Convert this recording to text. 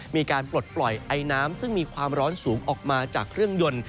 มีการปลดปล่อยไอน้ำซึ่งมีความร้อนสูงออกมาจากเครื่องยนต์